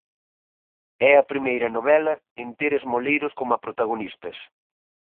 É a primeira novela en ter esmoleiros coma protagonistas.